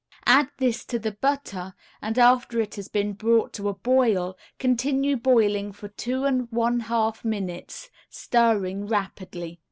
Add this to the butter, and after it has been brought to a boil continue boiling for two and one half minutes, stirring rapidly.